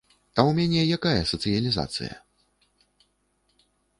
А ў мяне якая сацыялізацыя?